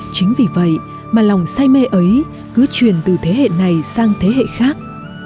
chính vì vậy mà lòng say mê ấy cứ truyền từ thế hệ này sang thế hệ khác